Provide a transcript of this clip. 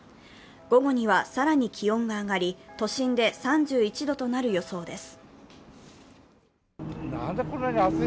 午後には更に気温が上がり、都心で３１度となる予想です。